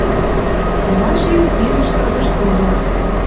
Талашен сирӹш кыргыж тольы: